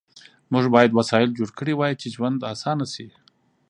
موږ باید وسایل جوړ کړي وای چې ژوند آسانه شي